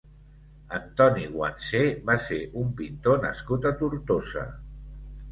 Antoni Guansé va ser un pintor nascut a Tortosa.